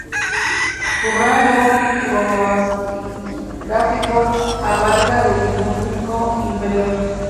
Su rango cronoestratigráfico abarca el Devónico inferior.